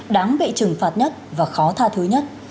đáng bị trừng phạt nhất và khó tha thứ nhất